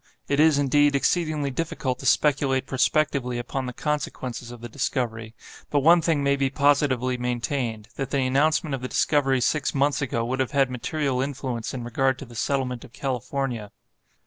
It is, indeed, exceedingly difficult to speculate prospectively upon the consequences of the discovery, but one thing may be positively maintained—that the announcement of the discovery six months ago would have had material influence in regard to the settlement of California.